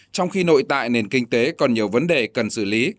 trong khi nội tại nền kinh tế còn nhiều vấn đề cần xử lý